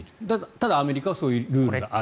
ただ、アメリカはそういうルールがある。